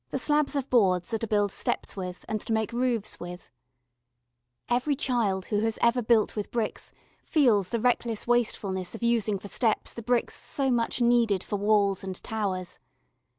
The slabs of boards are to build steps with and to make roofs with. Every child who has ever built with bricks feels the reckless wastefulness of using for steps the bricks so much needed for walls and towers.